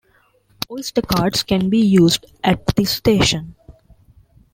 Oyster cards can be used at this station.